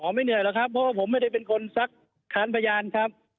ไม่เหนื่อยหรอกครับเพราะว่าผมไม่ได้เป็นคนซักค้านพยานครับ